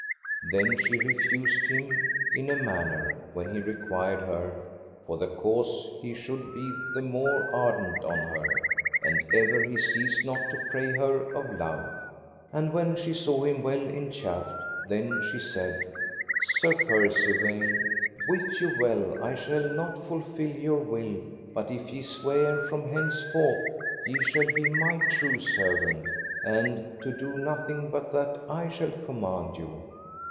Then she refused him, in a manner, when he required her, for the cause he should be the more ardent on her, and ever he ceased not to pray her of love. And when she saw him well enchafed, then she said: Sir Percivale, wit you well I shall not fulfil your will but if ye swear from henceforth ye shall be my true servant, and to do nothing but that I shall command you.